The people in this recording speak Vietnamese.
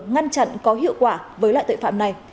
ngăn chặn có hiệu quả với loại tội phạm này